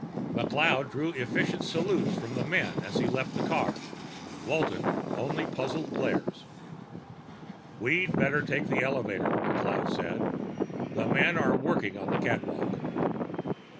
McLeod drew efficient salutes from the men as he left the car; Walton, only puzzled glares. "We'd better take the elevator," McLeod said. "The men are working on the catwalk."